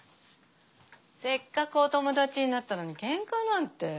せっかくお友達になったのにケンカなんて。